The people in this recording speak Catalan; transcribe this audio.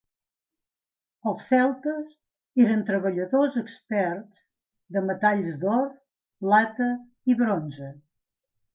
Els celtes eren treballadors experts de metalls d'or, plata i bronze.